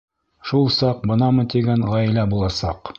Шул саҡ бынамын тигән ғаилә буласаҡ.